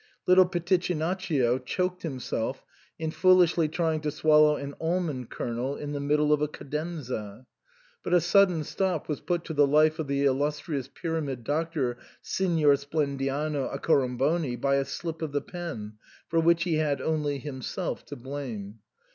Little Pitichinaccio choked him self in foolishly trying to swallow an almond kernel in the middle of a cadenza ; but a sudden stop was put to the life of the illustrious Pyramid Doctor Signor Splen diano Accoramboni by a slip of the pen, for which he had only himself to blame.